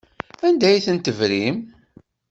Anda ay ten-tebrim?